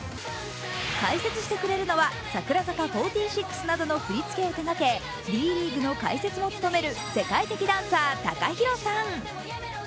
解説してくれるのは、櫻坂４６などの振り付けを手がけＤ．ＬＥＡＧＵＥの解説も務める世界的ダンサー、ＴＡＫＡＨＩＲＯさん。